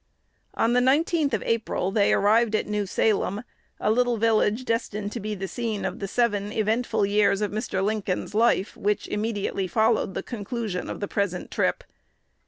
On the 19th of April they arrived at New Salem, a little village destined to be the scene of the seven eventful years of Mr. Lincoln's life, which immediately followed the conclusion of the present trip.